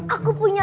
aku punya idea